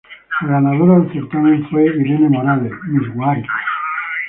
La ganadora del certamen fue Irene Morales, Miss Guárico.